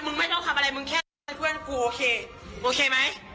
มึงแค่ทำกับเพื่อนกูโอเคโอเคไหม